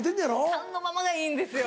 缶のままがいいんですよ。